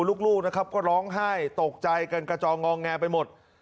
ลูกนะครับก็ร้องไห้ตกใจกันกระจองงองแงไปหมด